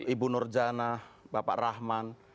ibu nurjana bapak rahman